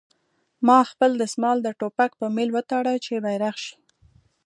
ما خپل دسمال د ټوپک په میل وتاړه چې بیرغ شي